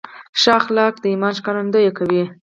ښه اخلاق د ایمان ښکارندویي کوي.